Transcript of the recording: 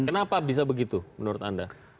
kenapa bisa begitu menurut anda